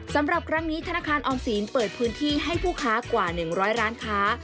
สำหรับครั้งนี้ธนาคารออมศีลเปิดพื้นที่ให้ผู้ค้ากว่า๑๐๐ร้านค้า